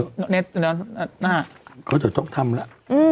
เขาจะต้องทำล่ะ